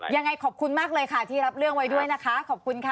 ยังไงขอบคุณมากเลยค่ะที่รับเรื่องไว้ด้วยนะคะขอบคุณค่ะ